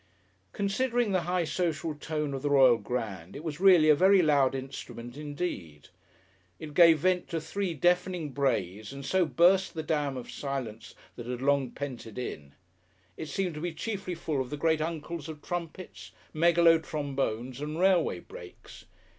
Considering the high social tone of the Royal Grand, it was really a very loud instrument indeed. It gave vent to three deafening brays and so burst the dam of silence that had long pent it in. It seemed to be chiefly full of the greatuncles of trumpets, megalo trombones and railway brakes.